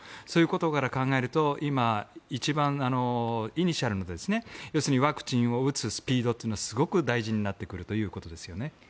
そういうことから考えると今、一番イニシャルの要するにワクチンを打つスピードはすごく大事になってくるということですよね。